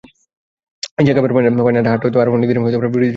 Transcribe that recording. Asia কাপের ফাইনালে হারটা আরও অনেক দিন বাংলাদেশের হৃদয় খুঁড়ে বেদনা জাগাবে।